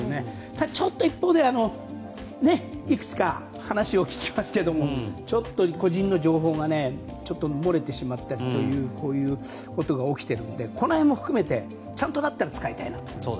ただ一方でいくつか、話を聞きますけれどもちょっと個人の情報が漏れてしまったりということが起きているのでこの辺も含めてちゃんとなったら使いたいなと思います。